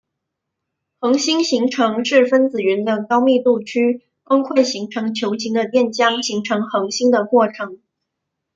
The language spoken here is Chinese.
恒星形成是分子云的高密度区崩溃成为球形的电浆形成恒星的过程。